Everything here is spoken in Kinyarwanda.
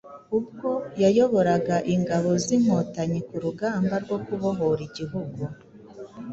ubwo yayoboraga ingabo z, Inkotanyi ku rugamba rwo kubohora igihugu